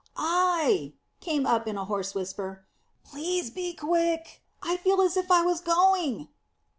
"Ay," came up in a hoarse whisper. "Please be quick. I feel as if I was going."